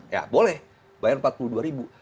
ya boleh bayar empat puluh dua ribu